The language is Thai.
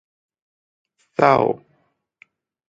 เศร้า.